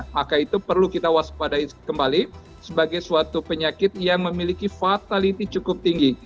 maka itu perlu kita waspadai kembali sebagai suatu penyakit yang memiliki fatality cukup tinggi